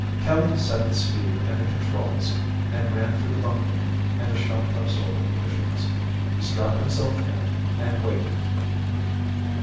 Kelly set the speed and the controls and ran for the bunkroom and the shock absorbent cushions. He strapped himself in and waited.